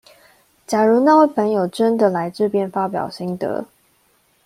假如那位朋友真的來這邊發表心得